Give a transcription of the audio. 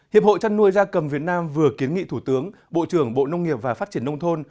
hiệp hội chăn nuôi gia cầm việt nam vừa kiến nghị thủ tướng bộ trưởng bộ nông nghiệp và phát triển nông thôn